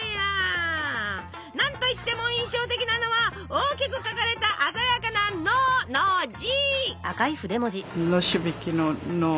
何といっても印象的なのは大きく書かれた鮮やかな「の」の字！